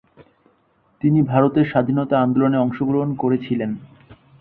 তিনি ভারতের স্বাধীনতা আন্দোলনে অংশগ্রহণ করেছিলেন।